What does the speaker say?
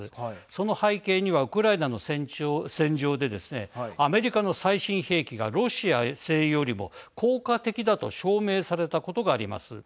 その背景にはウクライナの戦場でですねアメリカの最新兵器がロシア製よりも効果的だと証明されたことがあります。